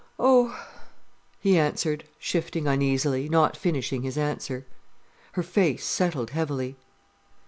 "Oh——" he answered, shifting uneasily, not finishing his answer. Her face settled heavily.